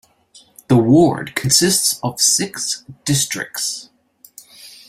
The ward consists of six districts.